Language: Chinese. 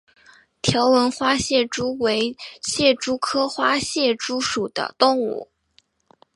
条纹花蟹蛛为蟹蛛科花蟹蛛属的动物。